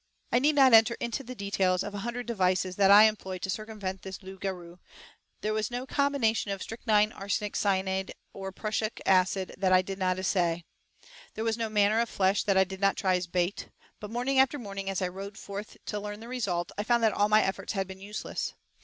I need not enter into the details of a hundred devices that I employed to circumvent this 'loup garou'; there was no combination of strychnine, arsenic, cyanide, or prussic acid, that I did not essay; there was no manner of flesh that I did not try as bait; but morning after morning, as I rode forth to learn the result, I found that all my efforts had been useless.